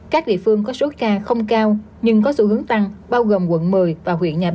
các địa phương có số ca không cao nhưng có xu hướng tăng bao gồm quận một mươi và huyện nhà bè